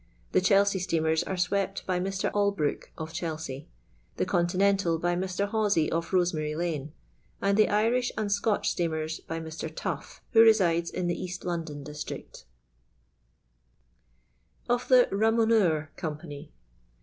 The Chelsea steamers are swept by Mr. Allbrook, of Chelsea ; the Continental, by Mr. Hawsey, of Bosemary lane ; and the Irish and Scotch steamers, by Mr. Tuff, who resides in the East London district Of the "Ramoheub" Compasy.